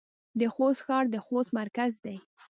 د خوست ښار د خوست مرکز دی